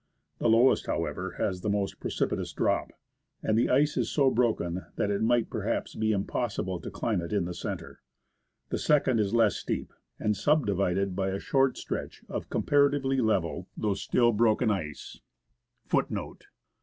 The lowest, however, has the most precipitous drop, and the ice is so broken that it might perhaps be impossible to climb it in the centre ; the second is less steep, and subdivided by a short stretch of comparatively level, though still 126 i '*,'^.